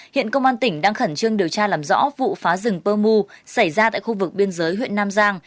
hiện công an tỉnh đang khẩn trương điều tra làm rõ vụ phá rừng pơ mu xảy ra tại khu vực biên giới huyện nam giang